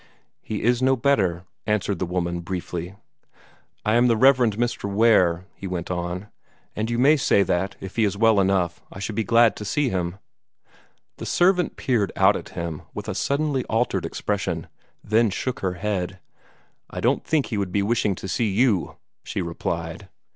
"He is no better," answered the woman, briefly. "I am the Rev. Mr. Ware," he went on, "and you may say that, if he is well enough, I should be glad to see him." The servant peered out at him with a suddenly altered expression, then shook her head. "I don't think he would be wishing to see YOU," she replied.